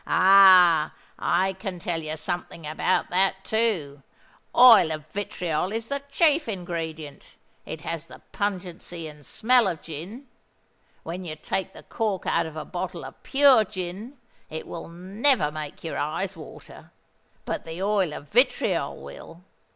"Ah! I can tell you something about that too. Oil of vitriol is the chief ingredient: it has the pungency and smell of gin. When you take the cork out of a bottle of pure gin, it will never make your eyes water: but the oil of vitriol will.